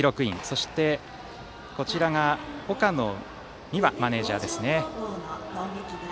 そして、岡野美和マネージャー。